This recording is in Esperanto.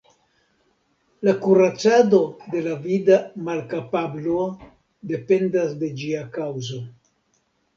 La kuracado de la vida malkapablo dependas de ĝia kaŭzo.